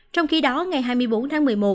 trong khi đó ngày hai mươi bốn tháng một mươi một